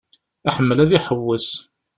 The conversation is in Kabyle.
Iḥemmel ad iḥewwes.